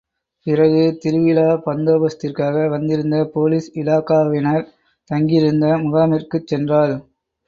பிறகு, திருவிழா பந்தோபஸ்திற்காக வந்திருந்த போலீஸ் இலாகாவினர் தங்கியிருந்த முகாமிற்குச் சென்றாள்.